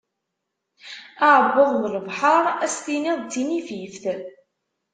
Aɛebbuḍ d lebḥar, ad as-tiniḍ d tinifift.